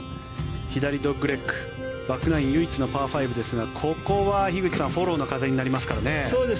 左ドッグレッグバックナイン唯一のパー５ですが、ここは樋口さんフォローの風になりますからね。